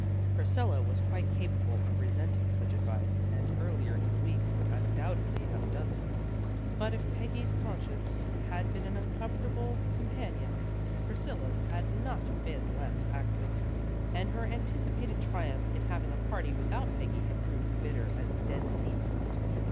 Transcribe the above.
Priscilla was quite capable of resenting such advice, and earlier in the week would undoubtedly have done so. But if Peggy's conscience had been an uncomfortable com 268 THE GIRLS OF FRIENDLY TERRACE panion, Priscilla's had not been less active, and her anticipated triumph in having a party without Peggy had proved bitter as Dead Sea fruit.